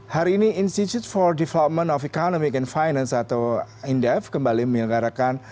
hari ini institute for development of economic and finance atau indef kembali menyelenggarakan